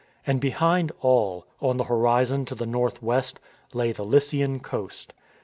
And behind all, on the horizon to the north west, lay the Lycian coast.